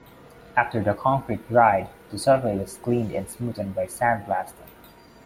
After the concrete dried, the surface was cleaned and smoothed by sandblasting.